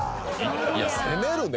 いや攻めるね